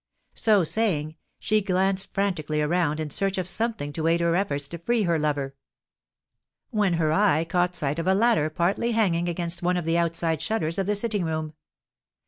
So saying, she glanced frantically around in search of something to aid her efforts to free her lover, when her eye caught sight of a ladder partly hanging against one of the outside shutters of the sitting room.